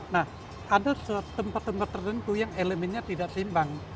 nah ada tempat tempat tertentu yang elemennya tidak seimbang